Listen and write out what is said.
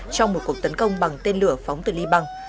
trong một cuộc tấn công bằng tên lửa phóng từ liban